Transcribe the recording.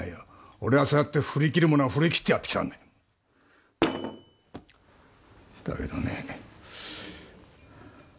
俺はそうやって振り切るものは振り切ってやってきたんだだけどね